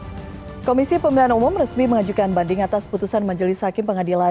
hai komisi pemilihan umum resmi mengajukan banding atas putusan majelis hakim pengadilan